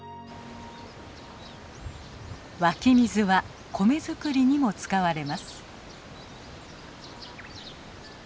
湧き水は米作りにも使われます。